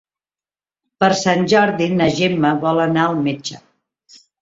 Per Sant Jordi na Gemma vol anar al metge.